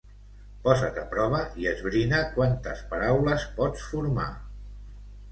posa't a prova i esbrina quantes paraules pots formar